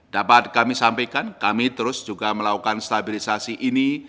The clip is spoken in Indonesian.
dapat kami sampaikan kami terus juga melakukan stabilisasi ini